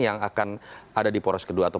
yang akan ada di poros kedua atau